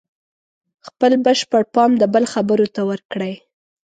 خپل بشپړ پام د بل خبرو ته ورکړئ.